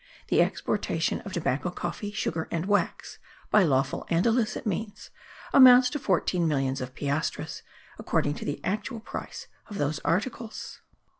The exportation of tobacco, coffee, sugar and wax, by lawful and illicit means, amounts to fourteen millions of piastres, according to the actual price of those articles.